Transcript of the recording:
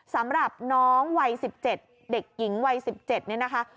สำหรับน้องวัย๑๗เด็กหญิงวัย๑๗เนี่ยนะคะ